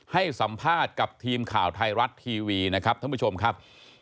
ให้สัมภาษณ์กับทีมข่าวไทยรัฐทีวีนะครับท่านผู้ชมครับ